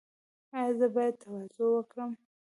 ایا زه باید تواضع وکړم؟